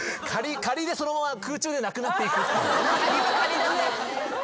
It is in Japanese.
仮でそのまま空中でなくなっていくっていう。